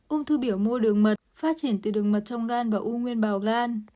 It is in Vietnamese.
ung thư biểu mô đường mật phát triển từ đường mật trong gan và u nguyên bào gan